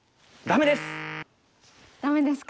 ダメですか。